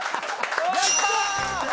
やったー！